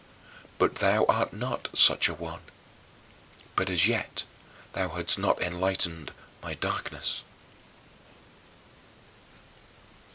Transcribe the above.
But thou art not such a one. But as yet thou hadst not enlightened my darkness.